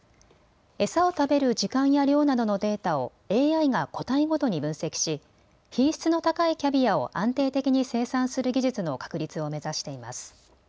餌を食べる時間や量などのデータをＡＩが個体ごとに分析し品質の高いキャビアを安定的に生産する技術の確立を目指しています。